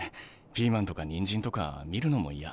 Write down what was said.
ピーマンとかニンジンとか見るのも嫌。